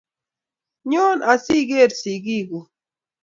Nyoo asigeer sigiikuk